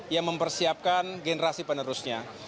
yang mempersiapkan generasi penerusnya